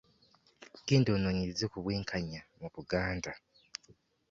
Genda onoonyereze ku bwenkanya mu Buganda.